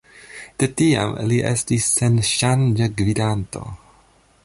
De tiam li estis senŝanĝa gvidanto.